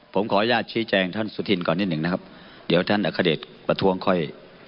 ผมขออนุญาตชี้แจงท่านสุธินก่อนนิดหนึ่งนะครับเดี๋ยวท่านอัคเดชประท้วงค่อย